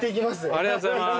ありがとうございます。